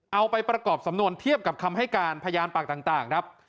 เอาไปประกอบสำนวนเทียบกับคำให้การพยานปากต่างครับ